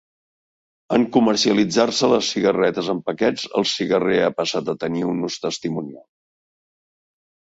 En comercialitzar-se les cigarretes en paquets, el cigarrer ha passat a tenir un ús testimonial.